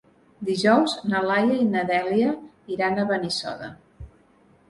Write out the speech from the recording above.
Dijous na Laia i na Dèlia iran a Benissoda.